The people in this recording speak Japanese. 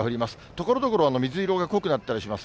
ところどころ、水色が濃くなったりします。